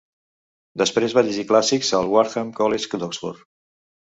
Després va llegir clàssics al Wadham College d'Oxford.